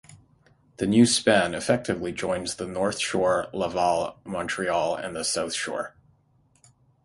The new span effectively joins the North Shore, Laval, Montreal, and the South Shore.